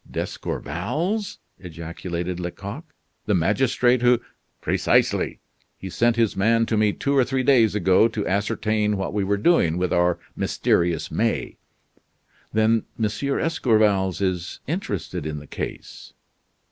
"D'Escorval's," ejaculated Lecoq, "the magistrate who " "Precisely. He sent his man to me two or three days ago to ascertain what we were doing with our mysterious May." "Then M. d'Escorval is interested in the case?"